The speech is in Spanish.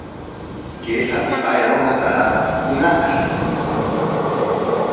que esa tipa era una tarada, una asesina.